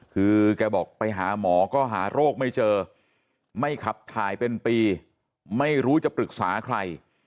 คือแกบอกไปหาหมอก็หาโรคไม่เจอไม่ขับถ่ายเป็นปีไม่รู้จะปรึกษาใคร